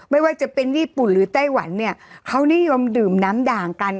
ไม่ว่าจะเป็นญี่ปุ่นหรือไต้หวันเนี่ยเขานิยมดื่มน้ำด่างกัน